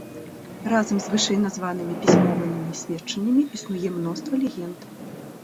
Разам з вышэйназванымі пісьмовымі сведчаннямі існуе мноства легенд.